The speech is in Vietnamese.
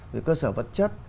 rồi cơ sở vật chất